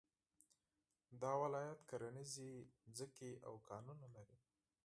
دا ولایت کرنيزې ځمکې او کانونه لري